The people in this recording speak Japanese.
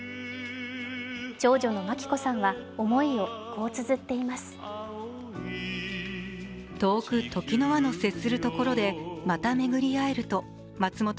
長女の摩紀子さんは思いをこうつづっています。